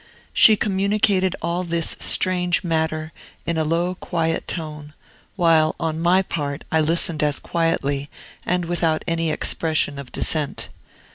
She communicated all this strange matter in a low, quiet tone; while, on my part, I listened as quietly, and without any expression of dissent.